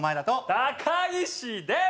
高岸です！